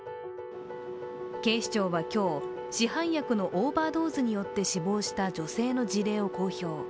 警視庁は今日、市販薬のオーバードーズによって死亡した女性の事例を公表。